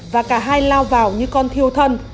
và cả hai lao vào như con thiêu thân